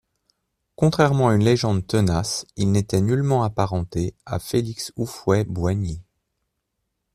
Contrairement à une légende tenace, il n'était nullement apparenté à Félix Houphouët-Boigny.